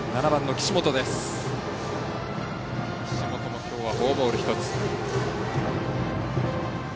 岸本もきょうはフォアボール１つ。